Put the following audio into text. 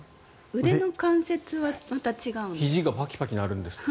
腕の関節はまた違うんですか？